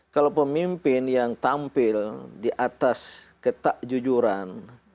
kalau pemimpin yang tampil di atas ketak jujuran